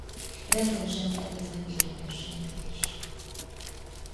Rendszeresen szerveznek világversenyeket is.